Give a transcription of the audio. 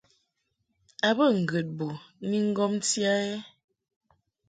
A bə ŋgəd bo ni ŋgomti a ɛ ?